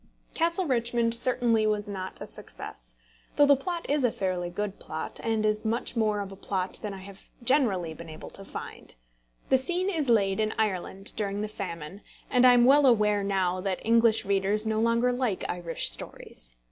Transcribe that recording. Castle Richmond certainly was not a success, though the plot is a fairly good plot, and is much more of a plot than I have generally been able to find. The scene is laid in Ireland, during the famine; and I am well aware now that English readers no longer like Irish stories.